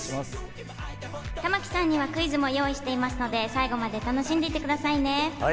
玉木さんにはクイズもご用意していますので、最後まで楽しんでいってくださいね。